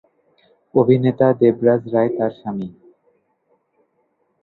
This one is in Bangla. অভিনেতা দেবরাজ রায় তার স্বামী।